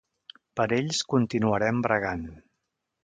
Per ells continuarem bregant.